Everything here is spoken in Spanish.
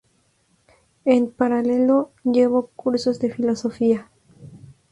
En paralelo llevó cursos de filosofía.